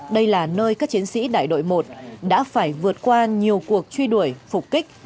đây là nơi các chiến sĩ đại đội một đã phải vượt qua nhiều cuộc truy đuổi phục kích